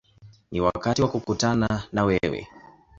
Ni wakati wa kukutana na wewe”.